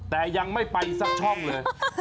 แต่ยังไม่ไปสักช่องเลย